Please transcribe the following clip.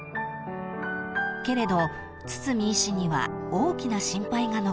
［けれど堤医師には大きな心配が残っていました］